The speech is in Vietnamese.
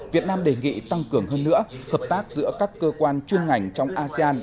việt nam đề nghị tăng cường hơn nữa hợp tác giữa các cơ quan chuyên ngành trong asean